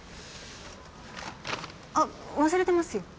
あっ忘れてますよ。